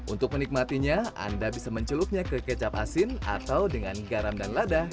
untuk menikmatinya anda bisa mencelupnya ke kecap asin atau dengan garam dan lada